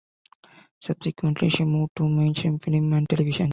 Subsequently, she moved to mainstream film and television.